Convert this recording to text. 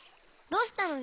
どうしたの？